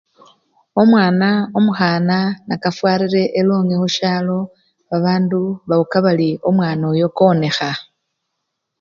Omwana omukhana nekafwarire elongi khusyalo babandu bawuka bali omwana oyo konekha.